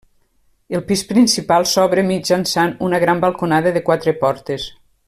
El pis principal s'obre mitjançant una gran balconada de quatre portes.